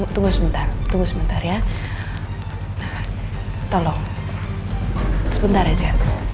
tunggu sebentar tunggu sebentar ya tolong sebentar aja